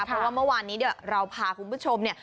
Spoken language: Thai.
เพราะว่าเมื่อวานนี้เดี๋ยวเราพาคุณผู้ชมเนี่ย